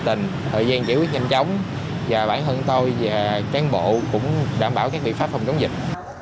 tình thời gian giải quyết nhanh chóng và bản thân tôi và cán bộ cũng đảm bảo các biện pháp phòng chống dịch